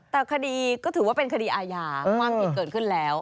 แต่คดีก็ถือว่าเป็นคดีอาญาความผิดเกิดขึ้นแล้ว